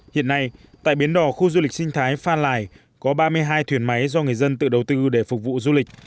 hiện nay tại biến đò khu du lịch sinh thái phan lai có ba mươi hai thuyền máy do người dân tự đầu tư để phục vụ du lịch